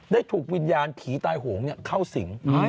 ถูกวิญญาณผีตายโหงเข้าสิง